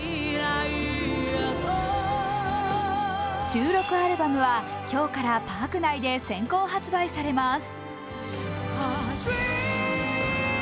収録アルバムは今日からパーク内で先行発売されます。